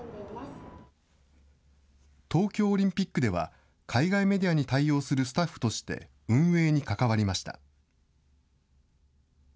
東京オリンピックでは、海外メディアに対応するスタッフとして、運営に関わりました。